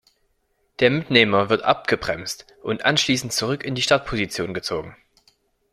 Der Mitnehmer wird abgebremst und anschließend zurück in die Startposition gezogen.